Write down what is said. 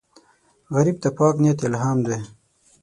غریب ته پاک نیت الهام دی